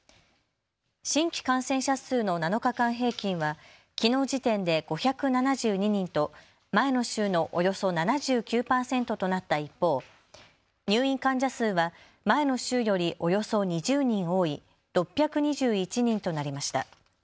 新規感染者数の７日間平均はきのう時点で５７２人と前の週のおよそ７９％となった一方、入院患者数は前の週よりおよそ２０人多い６２１人となりました。